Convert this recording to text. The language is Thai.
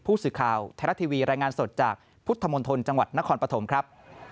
ผู้สื่อข่าวไทยรัฐทีวีรายงานสดจากพุทธมณฑลจังหวัดนครปฐมครับ